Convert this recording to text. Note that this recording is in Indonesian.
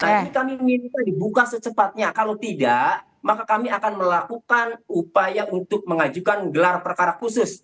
tapi kami minta dibuka secepatnya kalau tidak maka kami akan melakukan upaya untuk mengajukan gelar perkara khusus